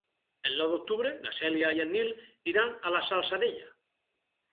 El nou d'octubre na Cèlia i en Nil iran a la Salzadella.